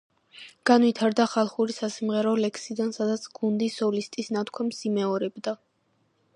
განვითარდა ხალხური სასიმღერო ლექსიდან, სადაც გუნდი სოლისტის ნათქვამს იმეორებდა.